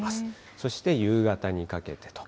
そして夕方にかけてと。